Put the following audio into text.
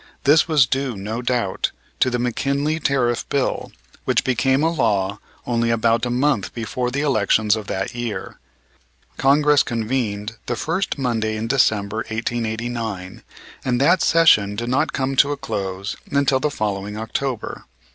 This was due, no doubt, to the McKinley Tariff Bill which became a law only about a month before the elections of that year. Congress convened the first Monday in December, 1889, and that session did not come to a close until the following October.